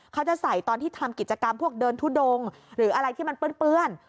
เขาจะใส่ตอนที่ทำกิจกรรมพวกเดินทุดงหรืออะไรที่มันเปื้อน